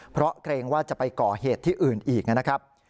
เพราะเกรงว่าจะไปก่อเหตุที่อื่นอีกนะครับ